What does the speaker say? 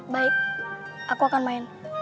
baik aku akan main